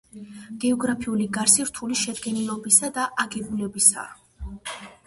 გეოგრაფიული გარსი რთული შედგენილობისა და აგებულებისაა.